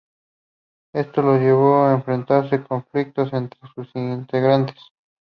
Esto los llevó a enfrentar conflictos entre sus integrantes.